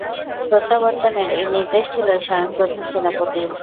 প্রত্যাবর্তনের এই নির্দেশ ছিল স্বয়ং প্রধান সেনাপতির।